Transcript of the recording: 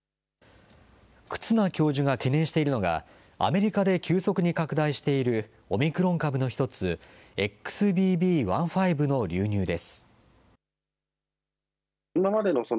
忽那教授が懸念しているのが、アメリカで急速に拡大しているオミクロン株の一つ、ＸＢＢ．１．５の流入です。